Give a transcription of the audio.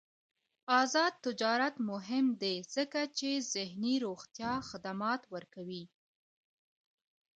آزاد تجارت مهم دی ځکه چې ذهني روغتیا خدمات ورکوي.